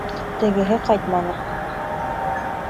Тегеһе ҡайтманы.